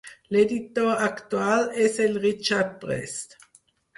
L'editor actual és el Richard Prest.